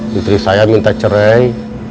menteri saya minta cerai